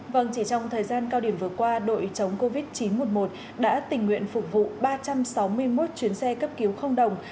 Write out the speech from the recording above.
vâng chỉ trong thời gian cao điểm vừa qua đội chống covid chín trăm một mươi một đã tình nguyện phục vụ ba trăm sáu mươi một chuyến xe cấp cứu không đồng